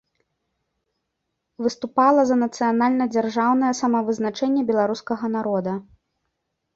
Выступала за нацыянальна-дзяржаўнае самавызначэнне беларускага народа.